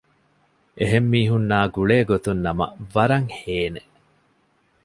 އެހެން މީހުންނާ ގުޅޭ ގޮތުން ނަމަ ވަރަށް ހޭނނެ